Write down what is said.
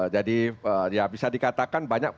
jadi ya bisa dikatakan banyak